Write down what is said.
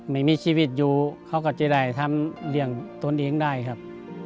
ไม่มีชีวิตอยู่เขาก็จะได้ทำเลี้ยงตนเองได้ครับ